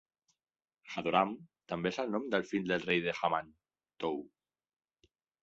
Hadoram també és el nom del fill del rei de Hamath, Tou.